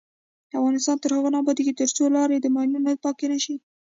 افغانستان تر هغو نه ابادیږي، ترڅو لارې له ماینونو پاکې نشي.